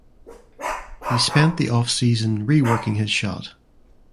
He spent the offseason reworking his shot.